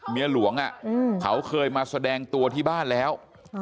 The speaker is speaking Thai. เมียหลวงเขาเคยมาแสดงตัวที่บ้านแล้ว